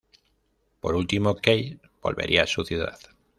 Por último, Kate volvería a su ciudad.